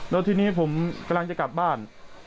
แล้วทีนี้ผมกำลังจะกลับบ้าน